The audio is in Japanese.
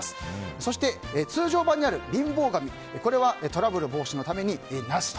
そして、通常版にある貧乏神、これはトラブル防止のためになしと。